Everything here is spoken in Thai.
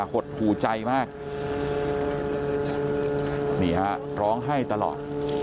หดหูใจมากนี่ฮะร้องไห้ตลอด